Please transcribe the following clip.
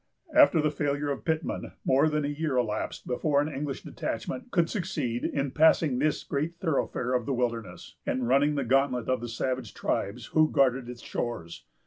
After the failure of Pittman, more than a year elapsed before an English detachment could succeed in passing this great thoroughfare of the wilderness, and running the gauntlet of the savage tribes who guarded its shores.